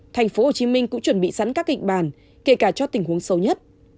tp hcm cũng chuẩn bị sẵn các kịch bản kể cả cho tình huống xấu nhất